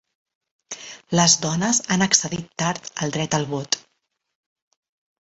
Les dones han accedit tard al dret al vot.